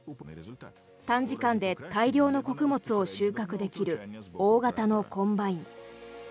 短時間で大量の穀物を収穫できる大型のコンバイン。